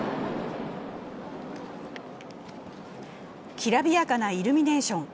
きらびやかなイルミネーション。